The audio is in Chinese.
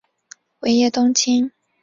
尾叶冬青